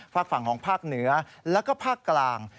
ฝากฝั่งของภาคเหนือแล้วก็ภาคกลาง